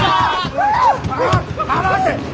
離せ！